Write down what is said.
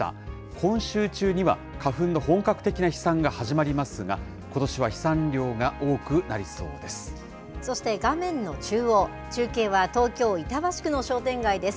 今週中には、花粉の本格的な飛散が始まりますが、ことしは飛散量が多くなりそうです。